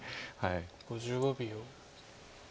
５５秒。